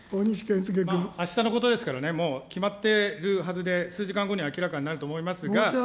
あしたのことですからね、もう決まってるはずで、数時間後には明らかになると思いますが。